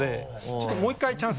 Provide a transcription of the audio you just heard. ちょっともう１回チャンス。